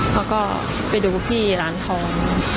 เขาก็ไปดูพี่ร้านทอง